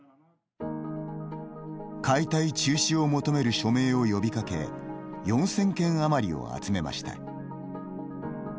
解体中止を求める署名を呼びかけ４０００件余りを集めました。